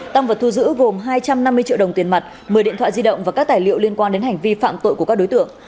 tăng vật thu giữ gồm hai trăm năm mươi triệu đồng tiền mặt một mươi điện thoại di động và các tài liệu liên quan đến hành vi phạm tội của các đối tượng